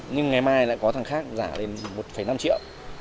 nhưng ngày mai lại có thằng khác giả lên một năm triệu